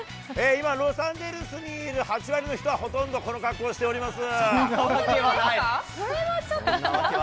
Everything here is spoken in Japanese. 今、ロサンゼルスにいる８割の人は、ほとんどこの格好しております。